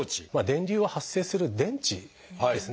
電流を発生する電池ですね。